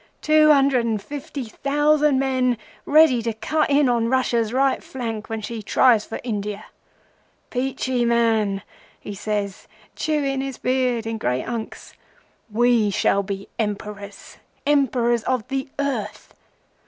Two hundred and fifty thousand men, ready to cut in on Russia's right flank when she tries for India! Peachey, man,' he says, chewing his beard in great hunks, 'we shall be Emperors—Emperors of the Earth!